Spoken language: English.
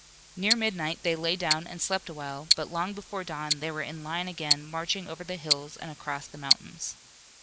Near midnight they lay down and slept a while, but long before dawn they were in line again marching over the hills and across the mountains.